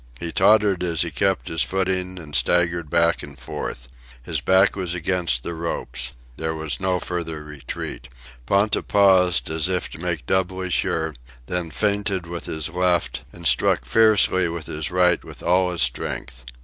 He tottered as he kept his footing, and staggered back and forth. His back was against the ropes. There was no further retreat. Ponta paused, as if to make doubly sure, then feinted with his left and struck fiercely with his right with all his strength.